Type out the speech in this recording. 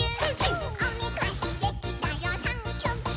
「おめかしできたよサンキュキュ！」